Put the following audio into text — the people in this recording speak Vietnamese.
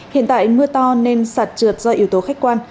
hiện tại mưa to nên sạt trượt do yếu tố khách quan